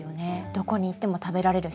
どこに行っても食べられるし。